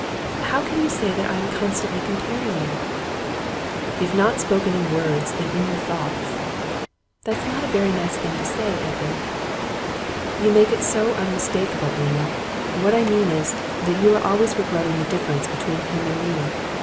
'How can you say that I am constantly comparing you?' 'If not in spoken words, then in your thoughts.' 'That's not a very nice thing to say, Edwin.' 'You make it so unmistakable, Amy. What I mean is, that you are always regretting the difference between him and me.